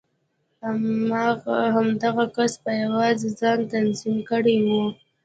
همدغه کس په يوازې ځان تنظيم کړی و.